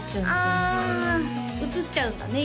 ああ移っちゃうんだね